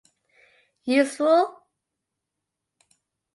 Useful?